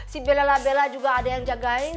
si bella bella juga ada yang jagain